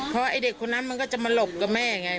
เพราะไอ้เด็กคนนั้นมันก็จะมาหลบกับแม่ไง